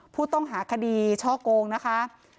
ผู้ต้องหาคดีช่อโกงนะคะ